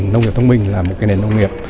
nông nghiệp thông minh là một nền nông nghiệp